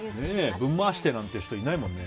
ぶん回してみたいな人いないもんね。